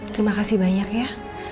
terima kasih banyak ya